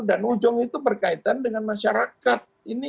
dan ujung itu berkaitan dengan masyarakat